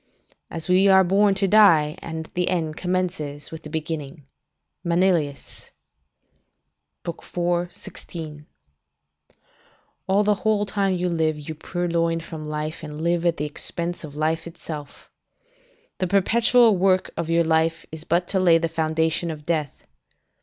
["As we are born we die, and the end commences with the beginning." Manilius, Ast., iv. 16.] "All the whole time you live, you purloin from life and live at the expense of life itself. The perpetual work of your life is but to lay the foundation of death.